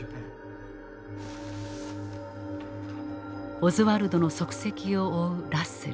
オズワルドの足跡を追うラッセル。